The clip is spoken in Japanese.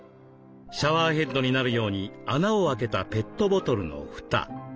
シャワーヘッドになるように穴をあけたペットボトルの蓋。